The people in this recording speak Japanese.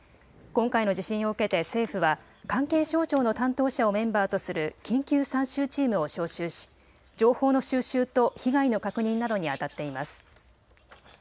今回の地震を受けて政府は関係省庁の担当者をメンバーとする緊急参集チームを招集し情報の収集と被害の確認などにあたっています。